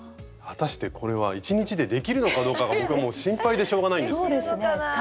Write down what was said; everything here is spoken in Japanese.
果たしてこれは１日でできるのかどうかが僕はもう心配でしょうがないんですけども。３年ですか？